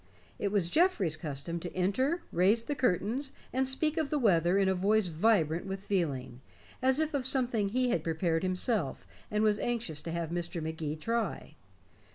It was Geoffrey's custom to enter, raise the curtains, and speak of the weather in a voice vibrant with feeling, as of something he had prepared himself and was anxious to have Mr. Magee try.